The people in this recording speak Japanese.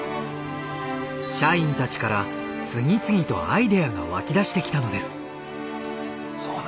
社員たちから次々とアイデアが湧き出してきたのです。